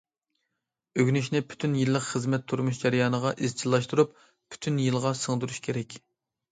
ئۆگىنىشنى پۈتۈن يىللىق خىزمەت، تۇرمۇش جەريانىغا ئىزچىللاشتۇرۇپ، پۈتۈن يىلغا سىڭدۈرۈش كېرەك.